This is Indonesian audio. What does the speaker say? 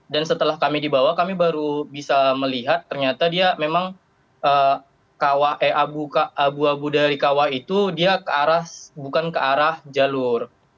dan setelah kami dibawa kami baru bisa melihat ternyata dia memang abu abu dari kawah itu dia ke arah bukan ke arah jalur